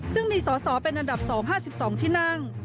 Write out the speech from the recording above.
ซึ่งมีสอสอเป็นอันดับ๒๕๒ที่นั่ง